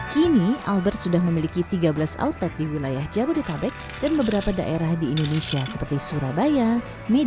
kini albert sudah memiliki tiga belas outlet di wilayah jabodetabek dan beberapa daerah di indonesia seperti surabaya medan